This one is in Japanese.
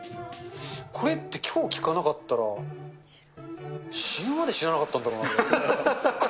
これってきょう聞かなかったら死ぬまで知らなかったんだろうなっ